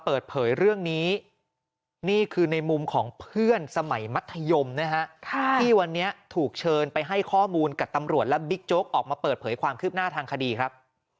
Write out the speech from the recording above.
เปิดเผยเรื่องนี้นี่คือในมุมของเพื่อนสมัยมัธยมนะฮะที่วันนี้ถูกเชิญไปให้ข้อมูลกับตำรวจและบิ๊กโจ๊กออกมาเปิดเผยความคืบหน้าทางคดีครับ